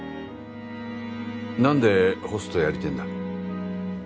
何でホストやりてぇんだ？